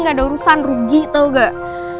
nggak ada urusan rugi tau nggak